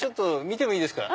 見てもいいですか？